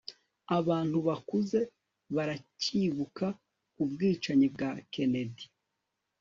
abantu bakuze baracyibuka ubwicanyi bwa kennedy